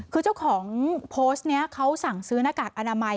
คือเจ้าของโพสต์นี้เขาสั่งซื้อหน้ากากอนามัย